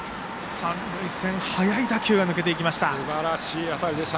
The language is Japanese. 三塁線に速い打球が抜けていきました。